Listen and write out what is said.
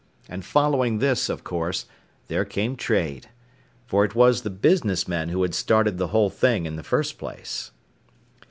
And following this, of course, there came Trade. For it was the businessmen who had started the whole thing in the first place.